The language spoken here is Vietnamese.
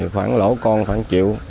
khoảng lỗ con khoảng triệu